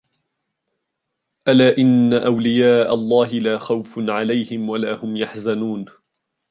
ألا إن أولياء الله لا خوف عليهم ولا هم يحزنون